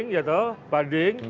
baik pak yudi